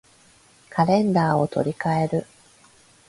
カレンダーを取り換える